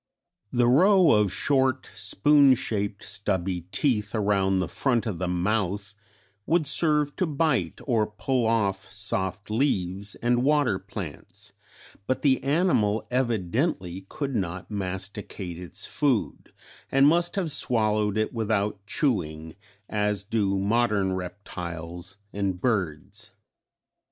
The row of short spoon shaped stubby teeth around the front of the mouth would serve to bite or pull off soft leaves and water plants, but the animal evidently could not masticate its food, and must have swallowed it without chewing as do modern reptiles and birds.